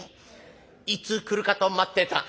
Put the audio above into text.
いつ来るかと待ってた。